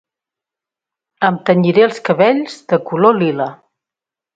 Em tenyiré els cabells de color lila